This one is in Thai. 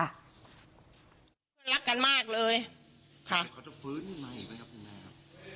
รักกันมากเลยค่ะเขาจะฝืนใหม่ไหมครับคุณแม่ครับ